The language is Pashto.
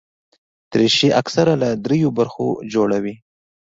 دریشي اکثره له درېو برخو جوړه وي.